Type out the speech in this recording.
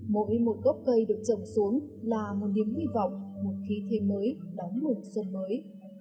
mỗi một gốc cây được trồng xuống là một niềm hy vọng một khí thêm mới đóng mùa xuân mới